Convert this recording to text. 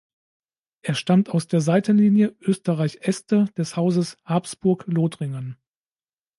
Er stammt aus der Seitenlinie Österreich-Este des Hauses Habsburg-Lothringen.